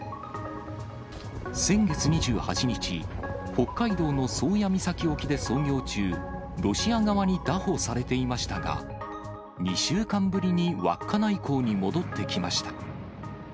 先月２８日、北海道の宗谷岬沖で操業中、ロシア側に拿捕されていましたが、２週間ぶりに稚内港に戻ってきました。